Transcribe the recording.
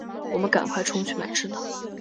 我们赶快冲去买吃的